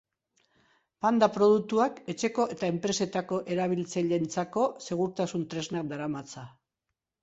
Panda produktuak etxeko eta enpresetako erabiltzaileentzako segurtasun tresnak daramatza.